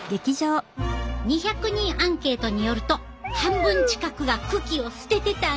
２００人アンケートによると半分近くが茎を捨ててたんやって。